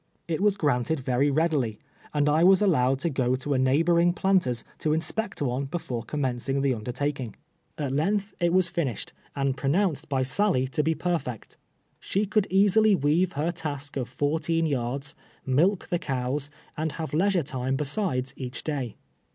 It was "•ranted verv readilv, and I was allowed to go to a neighboring planter's to inspect one before commen cing the undertaking. At length it was finished JOHN M. TIBEATS. 103 and pronounced by Sally to bo perfect. Sbe could easily weave lier task of fourteen yards, milk tlio cows, and liavo leisure time besides each day.